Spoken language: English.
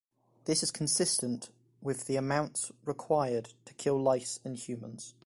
This is consistent with the amounts required to kill lice and humans.